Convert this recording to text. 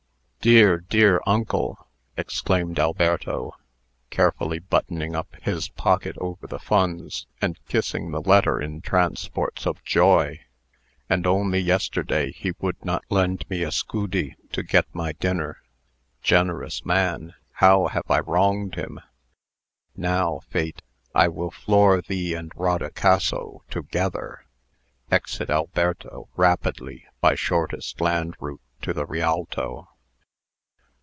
"Dear, dear uncle!" exclaimed Alberto, carefully buttoning up his pocket over the funds, and kissing the letter in transports of joy. "And only yesterday he would not lend me a scudi to get my dinner. Generous man! how have I wronged him! Now, Fate, I will floor thee and Rodicaso together." [Exit Alberto, rapidly, by shortest land route to the Rialto.